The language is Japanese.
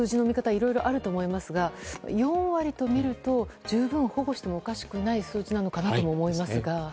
いろいろあると思いますが４割と見ると、十分保護してもおかしくない数値なのかなと思いますが。